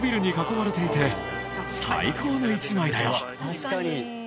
確かに！